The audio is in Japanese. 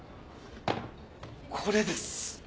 これです